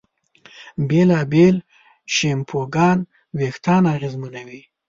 بېلابېل شیمپوګان وېښتيان اغېزمنوي.